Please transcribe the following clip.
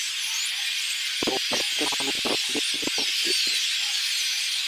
ভবিষ্যতের মানুষ হইবেন এই প্রকৃতির।